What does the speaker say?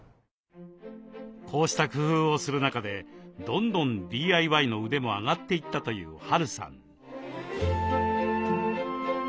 こうした工夫をする中でどんどんＤＩＹの腕も上がっていったというＨ・Ａ・Ｒ・Ｕさん。